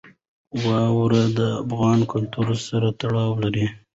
واوره د افغان کلتور سره تړاو لري.